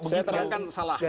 saya terangkan salahnya